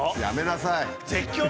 やめなさい！